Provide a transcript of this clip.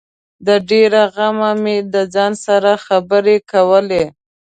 د ډېره غمه مې د ځان سره خبري کولې